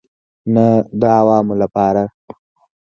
نه د عوامو لپاره.